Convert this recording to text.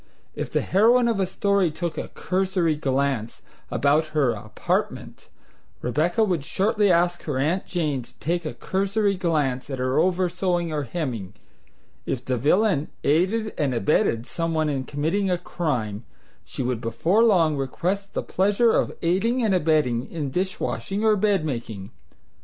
If the heroine of a story took a "cursory glance" about her "apartment," Rebecca would shortly ask her Aunt Jane to take a "cursory glance" at her oversewing or hemming; if the villain "aided and abetted" someone in committing a crime, she would before long request the pleasure of "aiding and abetting" in dishwashing or bedmaking.